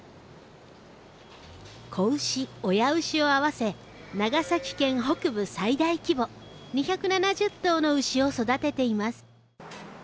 子牛親牛を合わせ長崎県北部最大規模２７０頭の牛を育てています。